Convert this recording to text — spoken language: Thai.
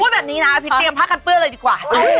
พูดแบบนี้นะอภิตร์เตรียมผ้ากันเปื้อเลยดีกว่า